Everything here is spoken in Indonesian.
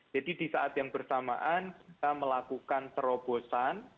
jadi di saat yang bersamaan kita melakukan terobosan